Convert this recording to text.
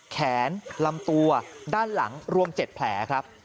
ลำตัวด้านหลังรวม๗แผลครับ